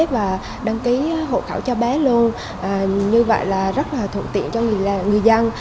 và đăng ký hộ khẩu cho bé luôn như vậy là rất là thuận tiện cho người dân